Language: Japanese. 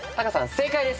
正解です。